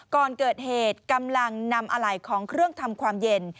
ก่อนเกิดเหตุกำลังนำอะไหล่ของเครื่องทำความเย็น